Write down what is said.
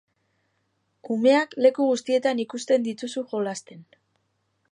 Umeak leku guztietan ikusten dituzu jolasten.